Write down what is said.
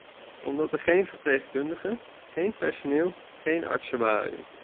Omdat er geen verpleegkundigen, geen personeel, geen artsen waren.